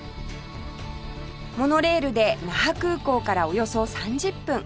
モノレールで那覇空港からおよそ３０分